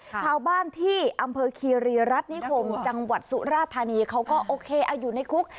ชาวบ้านที่อำเภอคีรีรัฐนิคมจังหวัดสุราธานีเขาก็โอเคเอาอยู่ในคุก